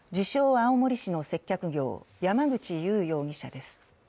青森市の接客業、山口優容疑者です。